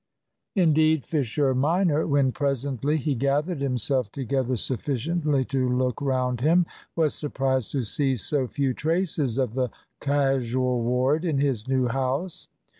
Indeed, Fisher minor, when presently he gathered himself together sufficiently to look round him, was surprised to see so few traces of the "casual ward" in his new house.